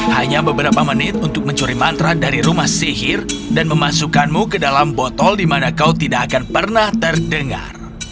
hanya beberapa menit untuk mencuri mantra dari rumah sihir dan memasukkanmu ke dalam botol di mana kau tidak akan pernah terdengar